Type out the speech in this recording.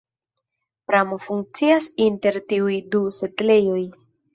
Pramo funkcias inter tiuj du setlejoj.